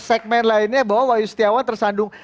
segmen lainnya bahwa wahyu setiawan tersandung